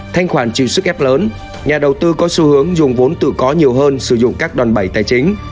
thanh khoản chịu sức ép lớn nhà đầu tư có xu hướng dùng vốn tự có nhiều hơn sử dụng các đòn bẩy tài chính